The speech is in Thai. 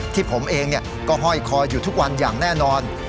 ที่ผมเองก็ห้อยคออยู่ทุกวันอย่างแน่นอน